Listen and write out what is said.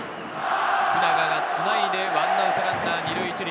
福永がつないで１アウトランナー２塁１塁。